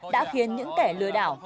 đã khiến những kẻ lừa đảo